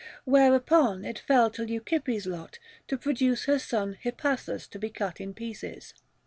Whereupon it fell to Leucippe's lot to produce her son Hippasus to be cut in pieces.